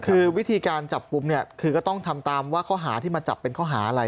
คือวิธีการจับกุมก็ต้องทำตามว่าเขาหาที่มาจับเป็นข้อหาอะไร